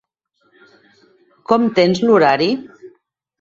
Com tens l'horari?